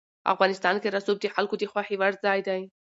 افغانستان کې رسوب د خلکو د خوښې وړ ځای دی.